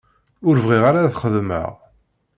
Ur bɣiɣ ara ad xedmeɣ.